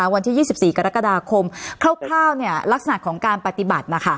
วันที่๒๔กรกฎาคมคร่าวลักษณะของการปฏิบัติ